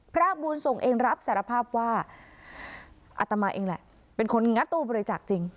พระบุญส่งเองรับสารภาพว่าอัตมาเองแหละเป็นคนงัดตู้บริจาคจริง